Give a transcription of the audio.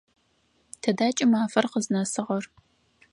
Тыда кӏымафэр къызнэсыгъэр?